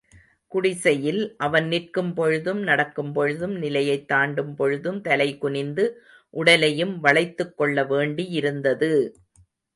குடிசையில் அவன் நிற்கும் பொழுதும், நடக்கும் பொழுதும், நிலையைத் தாண்டும் பொழுதும் தலை குனிந்து, உடலையும் வளைத்துக்கொள்ள வேண்டியிருந்தது!